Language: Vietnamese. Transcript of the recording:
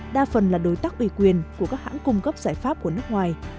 đa phần là đối tác ủy quyền của các hãng cung cấp giải pháp của nước ngoài